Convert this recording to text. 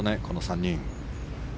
この３人。